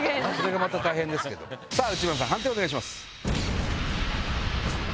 内村さん判定お願いします。